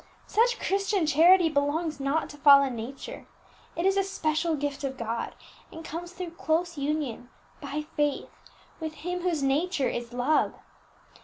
Such Christian charity belongs not to fallen nature; it is a special gift of God, and comes through close union, by faith, with Him whose nature is love.